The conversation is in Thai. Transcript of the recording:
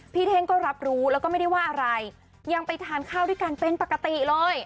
เท่งก็รับรู้แล้วก็ไม่ได้ว่าอะไรยังไปทานข้าวด้วยกันเป็นปกติเลย